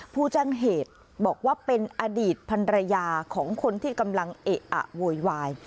ผู้แจ้งเหตุบอกว่าเป็นอดีตพันรยาของคนที่กำลังเอะอะโวยวาย